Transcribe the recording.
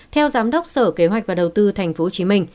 theo giám đốc sở kế hoạch và đầu tư tp hcm